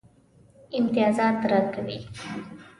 امتیازات راکوي.